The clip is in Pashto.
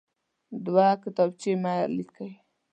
دوه کتابچې مه لیکئ.